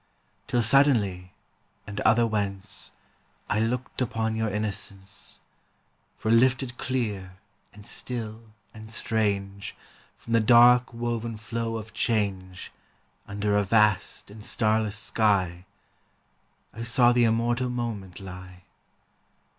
Till suddenly, and otherwhence, I looked upon your innocence ; For lifted clear and still and strange From the dark woven flow of change Under a vast and starless sky I saw the immortal moment lie.